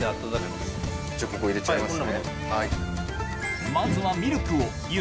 じゃあここ入れちゃいますね。